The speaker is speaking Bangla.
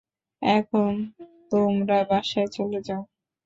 এখন তোমরা বাসায় চলে যাও।